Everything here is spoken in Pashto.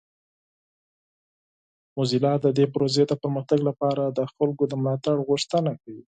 موزیلا د دې پروژې د پرمختګ لپاره د خلکو د ملاتړ غوښتنه کوي.